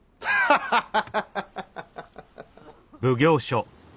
ハハハハ！